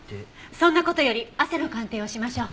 そんな事より汗の鑑定をしましょう。